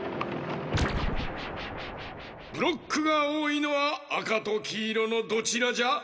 ブロックがおおいのはあかときいろのどちらじゃ？